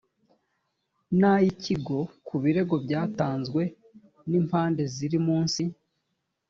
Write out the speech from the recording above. n ay ikigo ku birego byatanzwe n impande ziri munsi